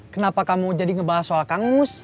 kenapa kamu jadi ngebahas soal kang mus